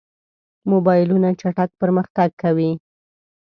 موبایلونه چټک پرمختګ کوي.